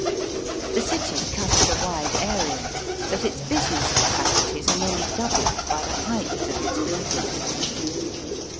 The city covers a wide area, but its business capacities are nearly doubled by the heights of its buildings.